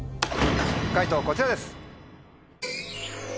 解答こちらです。